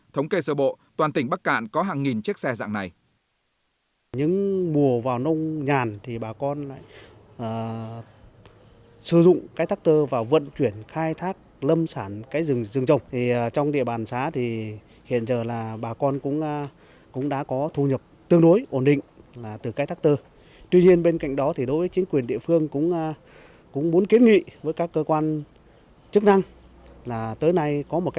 thống kê sở bộ toàn tỉnh bắc cạn có hàng nghìn chiếc xe dạng này